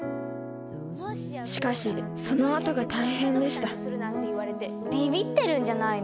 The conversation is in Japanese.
しかしそのあとが大変でしたびびってるんじゃないの？